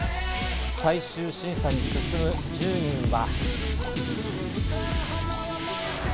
最終審査に進む１０人は。